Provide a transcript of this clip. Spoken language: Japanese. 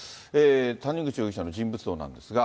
谷口容疑者の人物像なんですが。